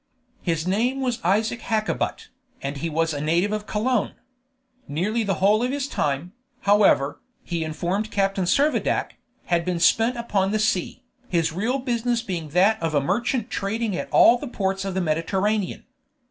His name was Isaac Hakkabut, and he was a native of Cologne. Nearly the whole of his time, however, he informed Captain Servadac, had been spent upon the sea, his real business being that of a merchant trading at all the ports of the Mediterranean.